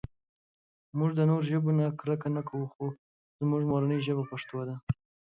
مونږ د نورو ژبو نه کرکه نهٔ کوؤ خو زمونږ مورنۍ ژبه پښتو ده